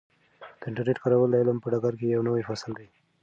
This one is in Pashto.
د انټرنیټ کارول د علم په ډګر کې یو نوی فصل دی.